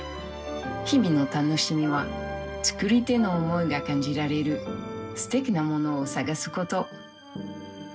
日々の楽しみは作り手の思いが感じられるすてきなものを探すこと。